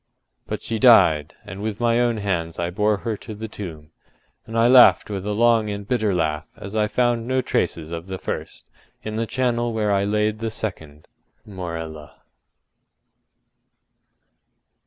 But she died; and with my own hands I bore her to the tomb; and I laughed with a long and bitter laugh as I found no traces of the first in the charnel where I laid the second, Morella.